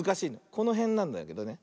このへんなんだけどね。